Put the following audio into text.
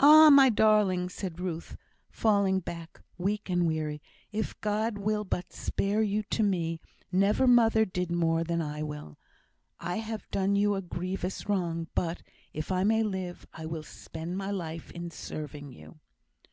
"Ah, my darling!" said Ruth, falling back weak and weary. "If God will but spare you to me, never mother did more than I will. I have done you a grievous wrong but, if I may but live, I will spend my life in serving you!"